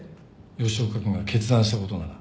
吉岡君が決断したことなら。